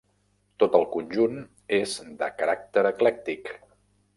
Tot el conjunt és de caràcter eclèctic.